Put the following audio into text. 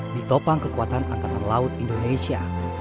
ditopang kekuatan angkatan laut indonesia